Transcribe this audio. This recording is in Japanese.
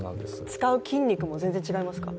使う筋肉も全然違いますか？